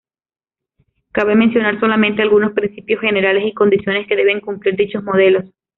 Cabe mencionar solamente algunos principios generales y condiciones que deben cumplir dichos modelos.